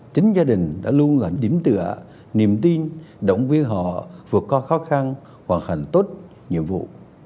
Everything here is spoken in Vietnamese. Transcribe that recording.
chính gia đình đã luôn làm điểm tựa niềm tin động viên họ vượt qua khó khăn hoàn thành tốt nhiệm vụ